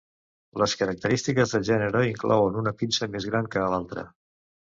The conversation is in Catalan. Les característiques del gènere inclouen una pinça més gran que l'altra.